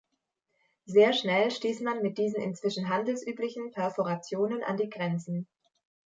Sehr schnell stieß man mit diesen inzwischen handelsüblichen Perforationen an die Grenzen.